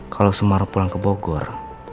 kalau semarang pulang ke bogor